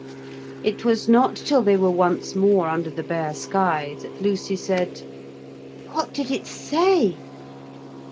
It was not till they were once more under the bare sky that Lucy said: 'What did it say?'